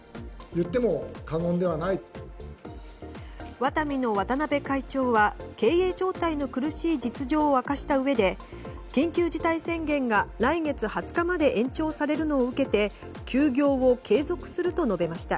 ワタミの渡辺会長は経営状態の苦しい実情を明かしたうえで緊急事態宣言が来月２０日まで延長されるのを受けて休業を継続すると述べました。